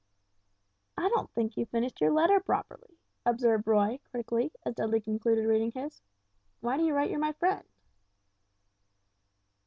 "I don't think you've finished your letter properly," observed Roy, critically, as Dudley concluded reading his. "Why do you write you're my friend?"